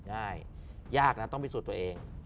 ยากนะต้องพิสูจน์ตัวเอง